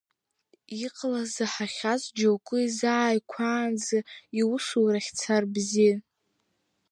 Иҟалаз заҳахьаз џьоукы изааиқәаанӡа, иусурахь дцар бзиан.